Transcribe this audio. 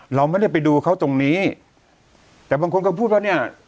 เราไม่ได้ไปดูเขาตรงนี้แต่บางคนก็พูดว่าเนี่ย